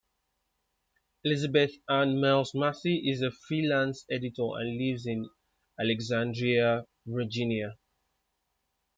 Elizabeth Anne Miles-Masci is a free lance editor and lives in Alexandria, Virginia.